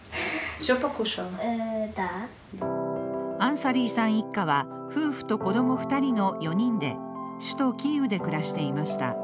アンサリーさん一家は夫婦と子供２人の４人で首都キーウで暮らしていました。